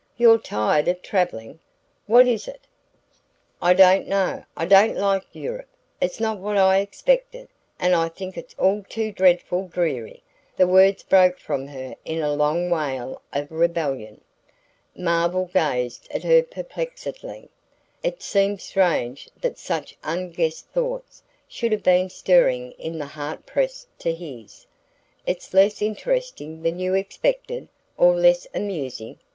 You're tired of travelling? What is it?" "I don't know...I don't like Europe...it's not what I expected, and I think it's all too dreadfully dreary!" The words broke from her in a long wail of rebellion. Marvell gazed at her perplexedly. It seemed strange that such unguessed thoughts should have been stirring in the heart pressed to his. "It's less interesting than you expected or less amusing?